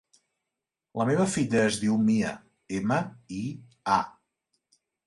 La meva filla es diu Mia: ema, i, a.